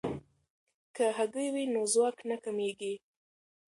که هګۍ وي نو ځواک نه کمیږي.